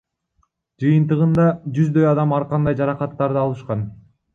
Жыйынтыгында жүздөй адам ар кандай жаракаттарды алышкан.